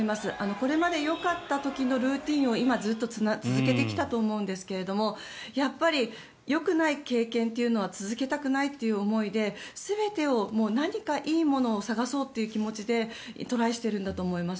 これまでよかった時のルーチンを今、ずっと続けてきたと思うんですがやっぱりよくない経験というのは続けたくないという思いで全てを、何かいいものを探そうという気持ちでトライしてるんだと思います。